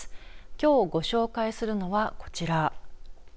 きょう、ご紹介するのはこちら。